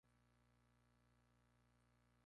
Esta teoría se remonta hasta Galeno.